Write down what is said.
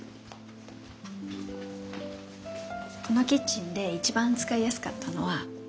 このキッチンで一番使いやすかったのは。